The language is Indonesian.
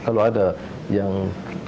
kalau tidak ditangkap